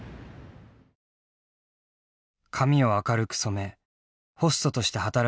髪を明るく染めホストとして働くようになっていたのだ。